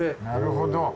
なるほど。